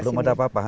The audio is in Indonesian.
belum ada apa apa